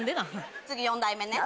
次４代目ね。